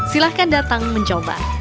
silahkan datang mencoba